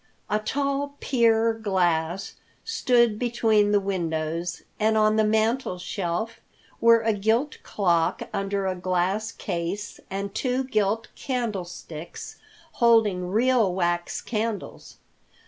A tall pier glass stood between the windows, and on the mantel shelf were a gilt clock under a glass case, and two gilt candlesticks holding real wax candles.